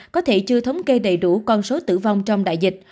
có thể chưa thống kê đầy đủ con số tử vong trong đại dịch